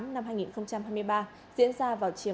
năm hai nghìn hai mươi ba diễn ra vào chiều